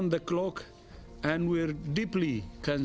dan kami sangat bernasibat